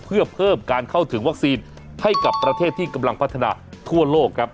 เพื่อเพิ่มการเข้าถึงวัคซีนให้กับประเทศที่กำลังพัฒนาทั่วโลกครับ